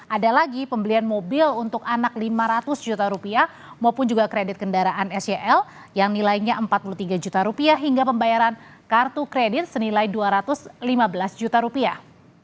ada lagi pembelian mobil untuk anak lima ratus juta rupiah maupun juga kredit kendaraan sel yang nilainya empat puluh tiga juta rupiah hingga pembayaran kartu kredit senilai dua ratus lima belas juta rupiah